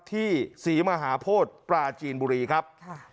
ที่ศรีมหาโพธิปราจีนบุรีครับ